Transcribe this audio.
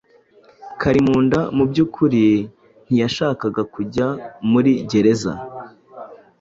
Kalimunda mu byukuri ntiyashakaga kujya muri gereza.